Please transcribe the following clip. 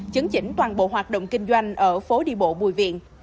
chứng chỉnh toàn bộ hoạt động kinh doanh ở phố đi bộ bùi viện